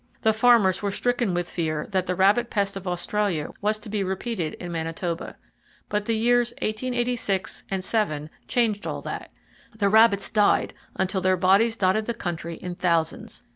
The farmers were stricken with fear that the rabbit pest of Australia was to be repeated in Manitoba. But the years 1886 7 changed all that. The rabbits died until their bodies dotted the country in thousands.